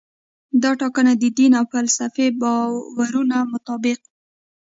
دا ټاکنه د دیني او فلسفي باورونو مطابق وي.